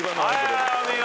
お見事！